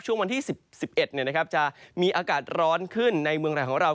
ช่วงวันที่๑๑เนี่ยนะครับจะมีอากาศร้อนขึ้นในเมืองแหล่งของเรา